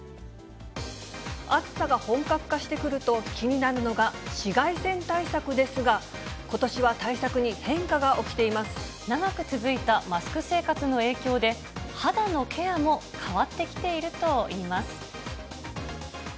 暑さが本格化してくると、気になるのが紫外線対策ですが、ことしは対策に変化が起きていま長く続いたマスク生活の影響で、肌のケアも変わってきているといいます。